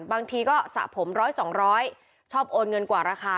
บางทีก็สระผมร้อยสองร้อยชอบโอนเงินกว่าราคา